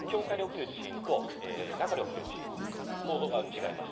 境界で起きる地震と中で起きる地震、構造が違います。